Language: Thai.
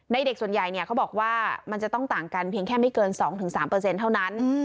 เด็กส่วนใหญ่เขาบอกว่ามันจะต้องต่างกันเพียงแค่ไม่เกิน๒๓เท่านั้น